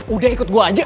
udah ikut gua aja